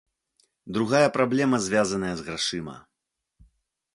Другая праблема звязаная з грашыма.